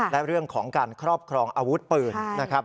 และเรื่องของการครอบครองอาวุธปืนนะครับ